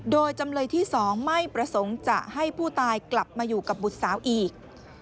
โดยจำเลยที่๒ไม่ประสงค์จะให้ผู้ตายกลับมาอยู่กับบุตรสาวอีก